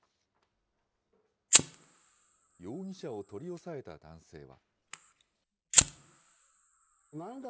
容疑者を取り押さえた男性は。